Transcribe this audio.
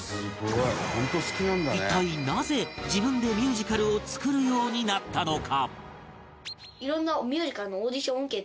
一体なぜ自分でミュージカルを作るようになったのか？